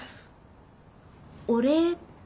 お礼？